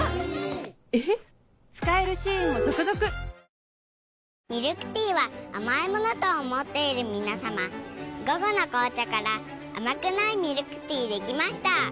人を空間を解き放てミルクティーは甘いものと思っている皆さま「午後の紅茶」から甘くないミルクティーできました。